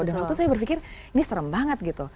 dan waktu itu saya berpikir ini serem banget gitu